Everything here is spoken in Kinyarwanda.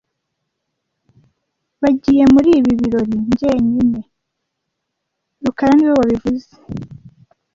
Nbagiyemuri ibi birori jyenyine rukara niwe wabivuze